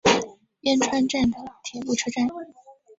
边川站的铁路车站。